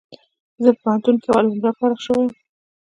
زه په پوهنتون کي اول نمره فارغ سوی یم